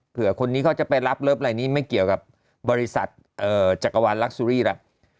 เผื่อคนนี้เขาจะไปรับเลิฟอะไรนี้ไม่เกี่ยวกับบริษัทจักรวรรณ์รักษุรีละ